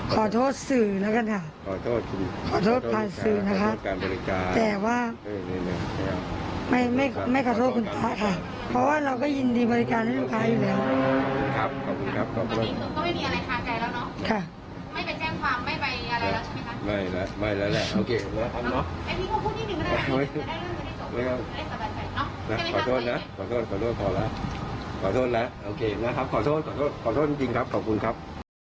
ขอโทษใหญ่ก่อนโอเคนะขอโทษขอโทษขอโทษจริงจริงครับขอบคุณครับ